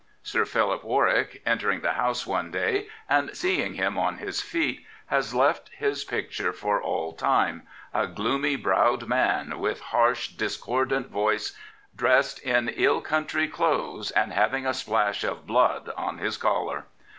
Sir Philip War wick, entering the House one day, and seeing him on his feet, has left his picture for all time — a gloomy browed man, with harsh, discordant voice, dressed in ill country clothes, and having a spjash of blood on his collar.